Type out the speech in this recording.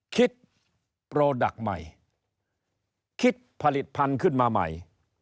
คิดโปรดักต์ใหม่คิดผลิตภัณฑ์ขึ้นมาใหม่